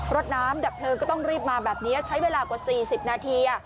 รถน้ำดับเพลิงก็ต้องรีบมาแบบนี้ใช้เวลากว่า๔๐นาที